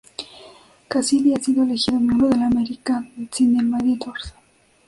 Cassidy ha sido elegido miembro de la American Cinema Editors.